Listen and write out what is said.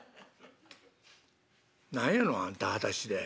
何やのあんたはだしで。